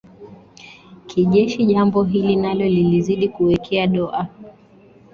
kijeshi jambo hili nalo lilizidi kuwekea doa